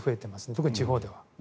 特に地方では。